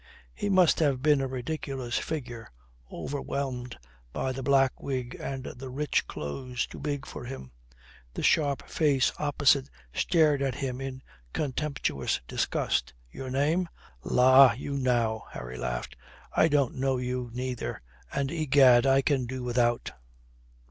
He must have been a ridiculous figure, overwhelmed by the black wig and the rich clothes too big for him. The sharp face opposite stared at him in contemptuous disgust. "Your name?" "La, you now!" Harry laughed. "I don't know you neither. And, egad, I can do without."